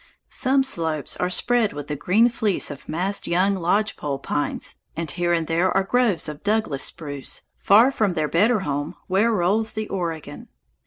Some slopes are spread with the green fleece of massed young lodge pole pines, and here and there are groves of Douglas spruce, far from their better home "where rolls the Oregon."